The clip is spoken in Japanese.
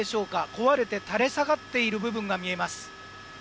壊れて垂れ下がっている部分が見えます。